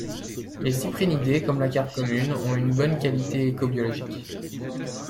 Les Cyprinidés, comme la Carpe commune, ont une bonne qualité éco-biologique.